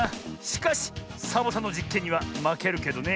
しかしサボさんのじっけんにはまけるけどね。